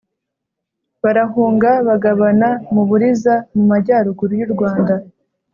barahunga bagana mu buriza, mu majyaruguru y'u rwanda,